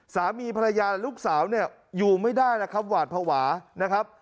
สามีภรรยาและลูกสาวเนี่ยอยู่ไม่ได้แล้วครับหวาดภาวะนะครับ